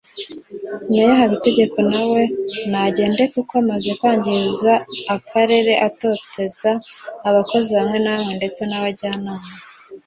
Mayor Habitegeko nawe nagende kuko amaze kwangiza akarere atoteza abakozi bamwe na bamwe ndetse n’abajyanama